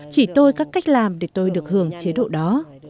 chỉ tôi có cách làm để tôi được hưởng chế độ đó